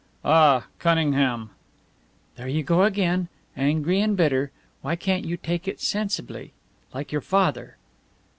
"Ah, Cunningham!" "There you go again angry and bitter! Why can't you take it sensibly, like your father?"